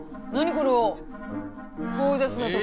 このゴージャスなとこ。